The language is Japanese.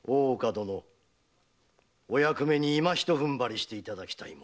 殿お役目に今ひと踏ん張りしていただきたい。